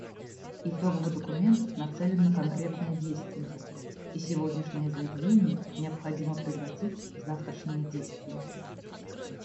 Итоговый документ нацелен на конкретные действия, и сегодняшние заявления необходимо превратить в завтрашние действия.